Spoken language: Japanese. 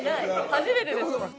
初めてです